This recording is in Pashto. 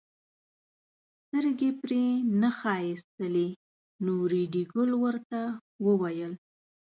سترګې پرې نه ښایستلې نو ریډي ګل ورته وویل.